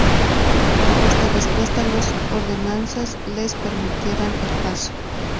Ante esta respuesta, los ordenanzas les permitieran el paso.